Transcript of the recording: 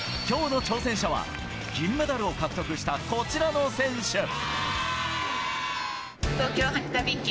今日の挑戦者は銀メダルを獲得したこちらの選手。